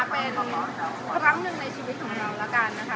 เป็นครั้งหนึ่งในชีวิตของเราแล้วกันนะคะ